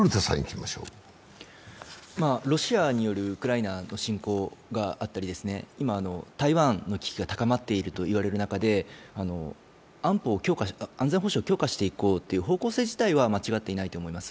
ロシアによるウクライナの侵攻があったり、今、台湾の危機が高まっていると言われる中で安全保障を強化していこうという方向性自体は間違っていないと思います。